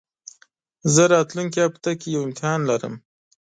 زه راتلونکي هفته کي يو امتحان لرم